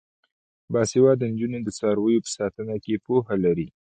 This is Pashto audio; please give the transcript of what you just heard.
باسواده نجونې د څارویو په ساتنه کې پوهه لري.